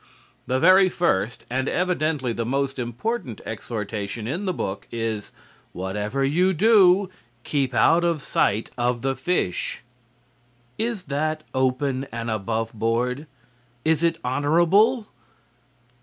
The very first and evidently the most important exhortation in the book is, "Whatever you do, keep out of sight of the fish." Is that open and above board? Is it honorable?